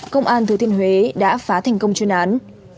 công an thừa thiên huế đã phá thành công chuyên án